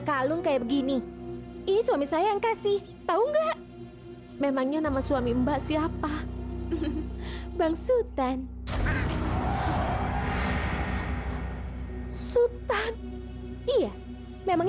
sampai jumpa di video selanjutnya